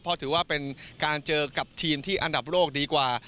เพราะถือว่าเป็นการเจอกับทีมที่อันดับโลกดีกว่า